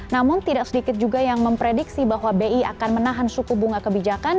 namun tidak sedikit juga yang memprediksi bahwa bi akan menahan suku bunga kebijakan